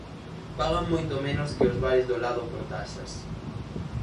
Pagan moito menos que os bares do lado por taxas.